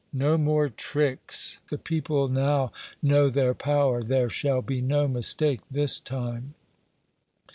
No more tricks! The people now know their power. There shall be no mistake this time!"